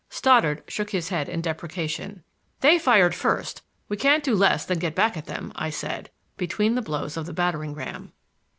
Stoddard shook his head in deprecation. "They fired first,—we can't do less than get back at them," I said, between the blows of the battering ram.